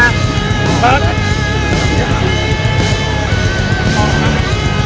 รอเบอร์ให้เจ้อมา